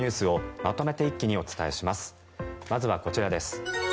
まずはこちらです。